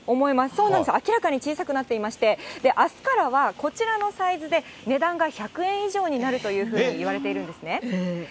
そうなんですよ、明らかに小さくなっていまして、あすからはこちらのサイズで値段が１００円以上になるというふうにいわれているんですね。